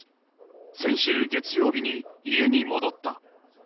先週月曜日に家に戻った。